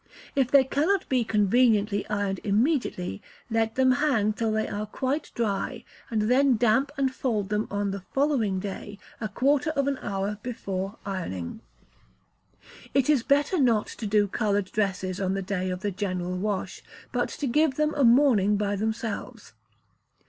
If they cannot be conveniently ironed immediately, let them hang till they are quite dry, and then damp and fold them on the, following day, a quarter of an hour before ironing. It is better not to do coloured dresses on the day of the general wash, but to give them a morning by themselves.